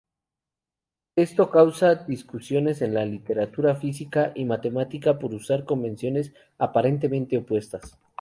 Esto causa discusiones en la literatura física y matemática por usar convenciones "aparentemente" opuestas.